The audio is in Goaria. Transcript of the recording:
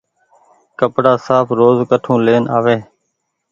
ڪپڙآ ساڦ روز ڪٺو لين آوي۔